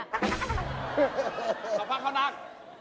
เอาพักเข้านัก